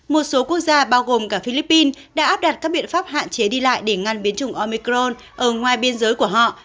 một số quốc gia bao gồm cả philippines đã áp đặt các biện pháp hạn chế đi lại để ngăn biến chủng omicron ở ngoài biên giới của họ